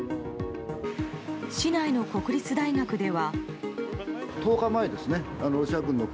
市内の国立大学では。